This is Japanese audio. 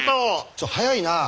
ちょっ早いな！